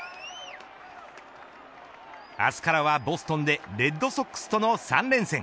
明日からはボストンでレッドソックスとの３連戦。